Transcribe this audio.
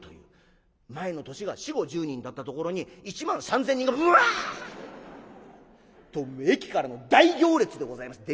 前の年が４０５０人だったところに１万３，０００人がブワッ！と駅からの大行列でございます。